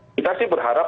kita sih berharap